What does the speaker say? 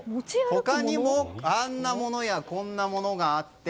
他にも、あんなものやこんなものがあって。